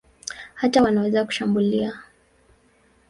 Hata wanaweza kushambulia.